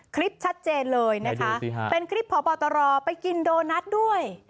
คลิปชัดเจนเลยนะคะเป็นคลิปพบตรไปกินโดนัทด้วย